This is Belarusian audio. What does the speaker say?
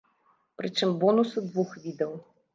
Прычым, бонусы двух відаў.